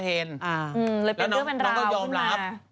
เลยเป็นเพื่อนราวขึ้นมาแล้วน้องก็ยอมรับ